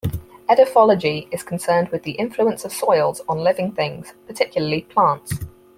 Edaphology is concerned with the influence of soils on living things, particularly plants.